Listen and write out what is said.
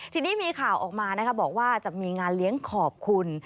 ทีนี้มีข่าวออกมานะคะบอกว่าจะมีงานเลี้ยงขอบคุณ